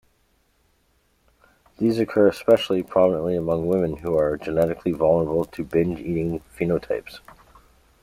These occur especially prominently among women who are genetically vulnerable to binge eating phenotypes.